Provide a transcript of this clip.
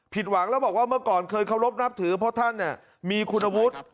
หวังแล้วบอกว่าเมื่อก่อนเคยเคารพนับถือเพราะท่านมีคุณวุฒิ